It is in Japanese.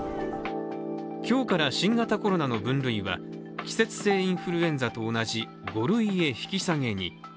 今日から新型コロナの分類は季節性インフルエンザと同じ５類へ引き下げに。